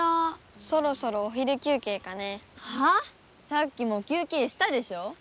さっきも休けいしたでしょ。